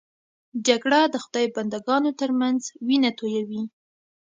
جګړه د خدای بنده ګانو تر منځ وینه تویوي